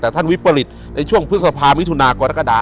แต่ท่านวิปริตในช่วงพฤษภามิถุนากรกฎา